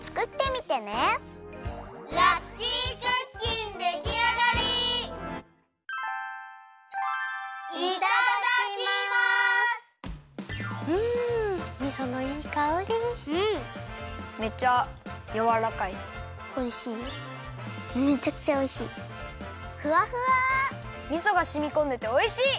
みそがしみこんでておいしい！